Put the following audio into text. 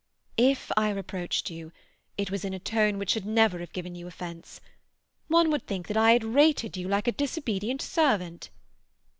"If I reproached you, it was in a tone which should never have given you offence. One would think that I had rated you like a disobedient servant."